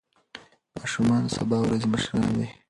ماشومان د سبا ورځې مشران دي.